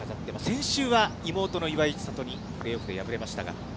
先週は妹の岩井千怜にプレーオフで敗れましたが。